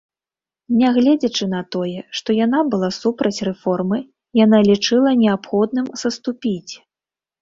Нягледзячы на тое, што яна была супраць рэформы, яна лічыла неабходным саступіць.